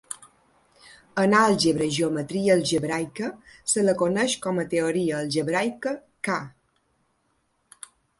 En àlgebra i geometria algebraica, se la coneix com a teoria algebraica K.